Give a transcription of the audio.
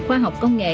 khoa học công nghệ